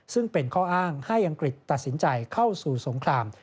ซึ่งเป็นข้ออ้างให้อังกฤษตัดสินใจเข้าสู่สงคราม